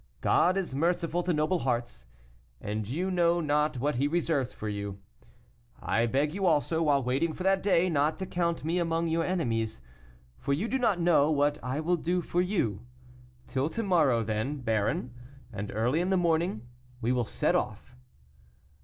God is merciful to noble hearts, and you know not what He reserves for you. I beg you also, while waiting for that day, not to count me among your enemies, for you do not know what I will do for you. Till to morrow, then, baron, and early in the morning we will set off."